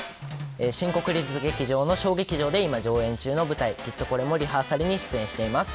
新国立劇場の小劇場で上演中の舞台「きっとこれもリハーサル」に出演しています。